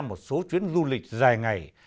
một số chuyến du lịch dài ngày